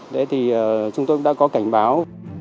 đấy thì chúng tôi đã có cảnh báo